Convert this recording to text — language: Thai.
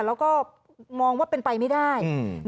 แล้วก็มองว่าเป็นไปไม่ได้